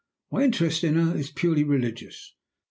My interest in her is purely religious.